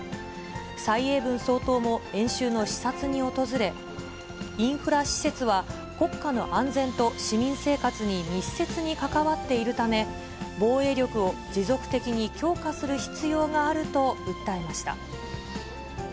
蔡英文総統も演習の視察に訪れ、インフラ施設は国家の安全と市民生活に密接に関わっているため、防衛力を持続的に強化する必要があると訴えました。